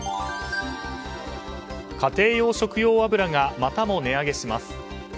家庭用食用油がまたも値上げします。